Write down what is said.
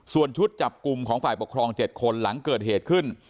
ส่วนชุดจับกลุ่มของฝ่ายปกครอง๗คนหลังเกิดเหตุขึ้น